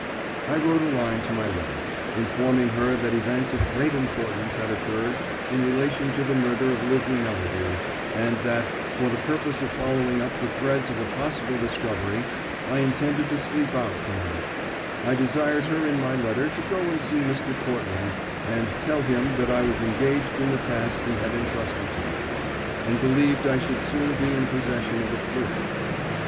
I wrote a line to my wife, informing her that events of great importance had occurred in relation to the murder of Lizzie Melladew, and that, for the purpose of following up the threads of a possible discovery, I intended to sleep out to night; I desired her in my letter to go and see Mr. Portland and tell him that I was engaged in the task he had intrusted to me, and believed I should soon be in possession of a clue.